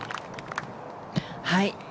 はい。